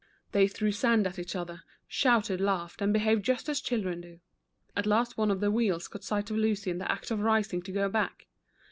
They threw sand at each other, shouted, laughed, and behaved just as children do. At last one of the wheels caught sight of Lucy in the act of rising to go back.